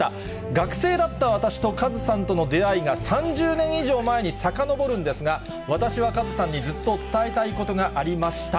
学生だった私とカズさんとの出会いが３０年以上前にさかのぼるんですが、私はカズさんにずっと伝えたいことがありました。